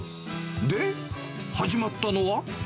で、始まったのは？